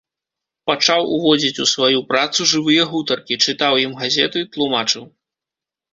Пачаў уводзіць у сваю працу жывыя гутаркі, чытаў ім газеты, тлумачыў.